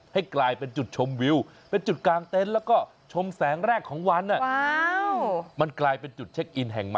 ให้กลายเป็นจุดชมวิวเป็นจุดกลางเต้น